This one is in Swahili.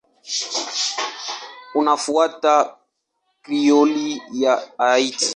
Inafuata Krioli ya Haiti.